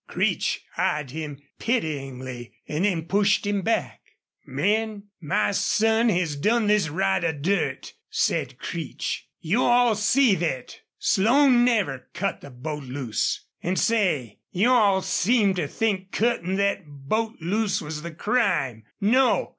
Creech eyed him pityingly and then pushed him back. "Men, my son has done this rider dirt," said Creech. "You all see thet. Slone never cut the boat loose.... An' say, you all seem to think cuttin' thet boat loose was the crime.... No!